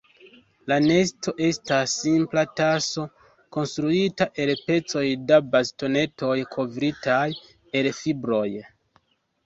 La nesto estas simpla taso konstruita el pecoj da bastonetoj kovritaj el fibroj.